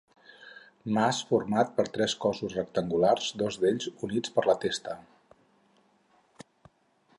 Mas format per tres cossos rectangulars, dos d'ells units per la testa.